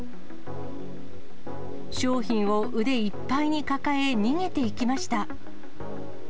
商品を腕いっぱいに抱え、逃げていきました。